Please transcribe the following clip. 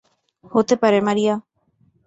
হতে পারে মারিয়া।